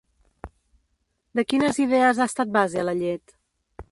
De quines idees ha estat base la llet?